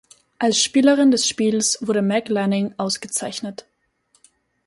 Als Spielerin des Spiels wurde Meg Lanning ausgezeichnet.